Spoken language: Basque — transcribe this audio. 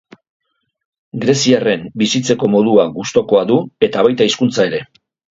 Greziarren bizitzeko modua gustukoa du eta baita hizkuntza ere.